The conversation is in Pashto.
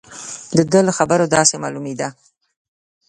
د ده له خبرو داسې معلومېده.